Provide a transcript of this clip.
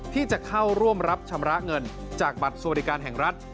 ที่จะเข้าร่วมรับชำระเงินจากบัตรสวัสดิการแห่งรัฐ